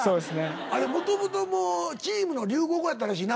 あれもともともうチームの流行語やったらしいな。